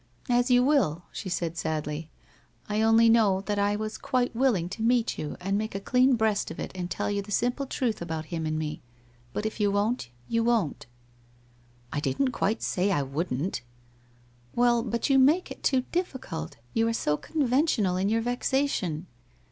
* As you will,' she said sadly, ' I only know that I was quite willing to meet you, and make a clean breast of it and tell you the simple truth about him and me. But if you won't, you won't.' ' I didn't quite say I wouldn't.' 'Well, but you make it too difficult. You are so con ventional in your vexation.'